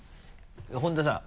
本田さん。